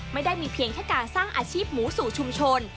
ไม่ได้มีเพียงแค่การสร้างอาชีพหมูสู่ชุมชน